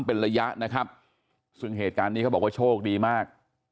เป็นระยะนะครับซึ่งเหตุการณ์นี้เขาบอกว่าโชคดีมาก